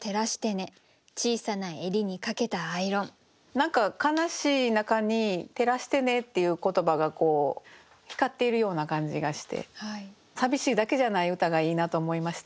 何か悲しい中に「照らしてね」っていう言葉が光っているような感じがして寂しいだけじゃない歌がいいなと思いました。